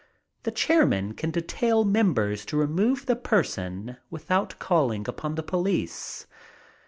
The chairman can detail members to remove the person, without calling upon the police.